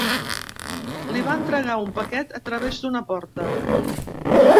Li van entregar un paquet a través d'una porta.